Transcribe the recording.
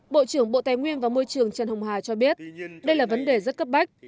bộ trưởng bộ tài nguyên và môi trường trần hồng hà cho biết đây là vấn đề rất cấp bách